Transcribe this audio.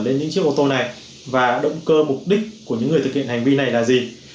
đến những chiếc ô tô này và động cơ mục đích của những người thực hiện hành vi này là gì